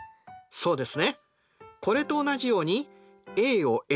そうです！